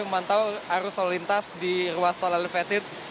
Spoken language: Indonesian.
kami memantau arus lalu lintas di ruas tol elevator